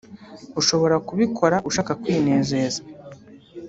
ushobora kubikora ushaka kwinezeza